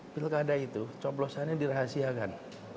pilkada itu coblosannya dirahasiakan